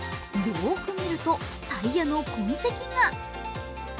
よーく見ると、タイヤの痕跡が。